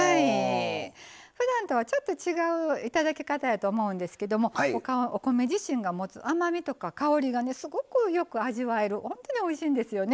ふだんとはちょっと違ういただき方やと思うんですけどお米自身が持つ甘みとか香りがすごくよく味わえる本当においしいんですよね。